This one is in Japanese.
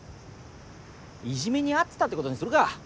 いじめに遭ってたってことにするか！